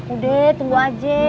udah tunggu aja